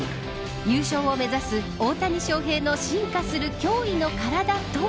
優勝を目指す大谷翔平の進化する驚異の体とは。